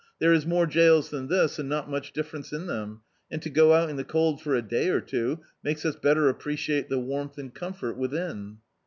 "There is more jails than this, and not much difference in them, and to go out in the cold for a day or two makes us better appre ciate the warmth and comfort within."